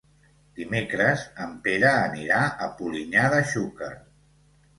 Dimecres en Pere anirà a Polinyà de Xúquer.